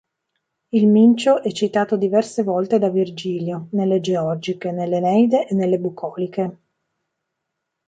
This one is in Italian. Il Mincio è citato diverse volte da Virgilio, nelle Georgiche, nell'Eneide e nelle Bucoliche.